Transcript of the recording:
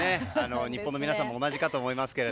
日本の皆さんも同じかと思いますが。